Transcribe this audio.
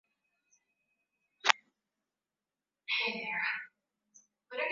vita vikuu vya pili vya dunia vilianza